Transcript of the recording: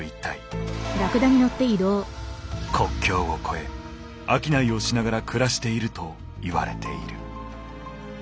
国境を越え商いをしながら暮らしているといわれている。